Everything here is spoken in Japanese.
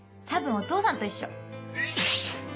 たぶんお父さんと一緒。